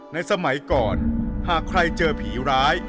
สมัยก่อนหากใครเจอผีร้าย